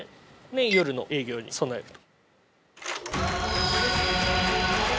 夜の営業に備えると。